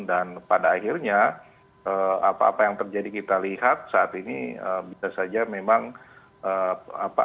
dan pada akhirnya apa apa yang terjadi kita lihat saat ini bisa saja memang apa apa saja